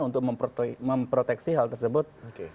untuk memproteksi hal tersebut